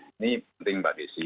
ini penting mbak desi